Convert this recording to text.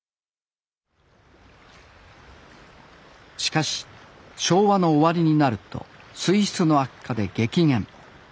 しかし昭和の終わりになると水質の悪化で激減。